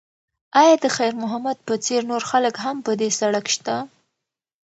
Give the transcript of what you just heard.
ایا د خیر محمد په څېر نور خلک هم په دې سړک شته؟